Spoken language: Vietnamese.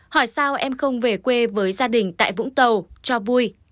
hỏi sao em không về quê với gia đình tại vũng tàu cho vui